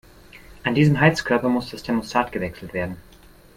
An diesem Heizkörper muss das Thermostat gewechselt werden.